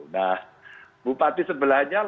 nah bupati sebelahnya langsung